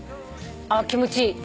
ああ気持ちいい。